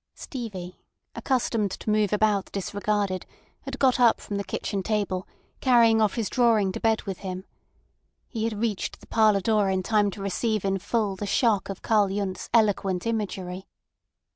Stevie, accustomed to move about disregarded, had got up from the kitchen table, carrying off his drawing to bed with him. He had reached the parlour door in time to receive in full the shock of Karl Yundt's eloquent imagery.